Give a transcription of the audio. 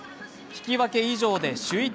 引き分け以上で首位